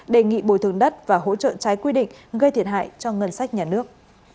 đề nghị bồi thường đất và hỗ trợ trái quy định gây thiệt hại cho ngân sách nhà nước